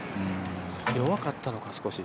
弱かったのか、少し。